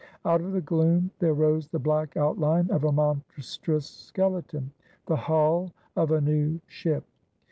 Out of the gloom there rose the black outline of a monstrous skeleton; the hull of a new ship.